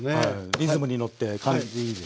リズムに乗って感じでいいですねえ。